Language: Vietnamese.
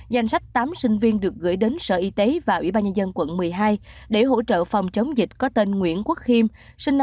danh sách tám sinh viên được gửi đến sở y tế và ủy ban nhân dân quận một mươi hai để hỗ trợ phòng chống dịch có tên nguyễn quốc khiêm sinh năm một nghìn chín trăm tám mươi